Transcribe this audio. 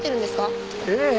ええ。